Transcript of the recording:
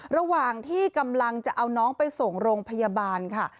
ระหว่างที่กำลังจะเอาน้องไปส่งโรงพยาบาลค่ะ